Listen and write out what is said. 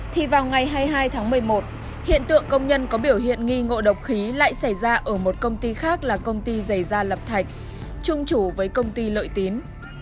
thì vào ngày hai mươi hai tháng một mươi một hiện tượng công nhân có biểu hiện nghi ngộ độc khí lại xảy ra ở một công ty khác là công ty giày gia lập thạch chung chủ với công ty lợi tín